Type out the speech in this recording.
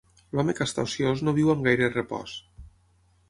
L'home que està ociós no viu amb gaire repòs.